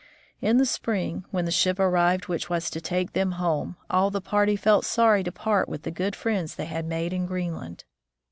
In the spring, when the ship arrived which was to take them home, all the party felt sorry to part with the good friends they had made in Greenland.